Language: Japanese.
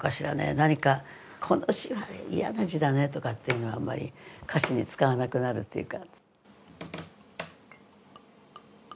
何かこの字は嫌な字だねとかっていうのはあんまり歌詞に使わなくなるっていうか。